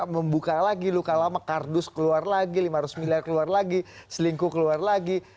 membuka lagi luka lama kardus keluar lagi lima ratus miliar keluar lagi selingkuh keluar lagi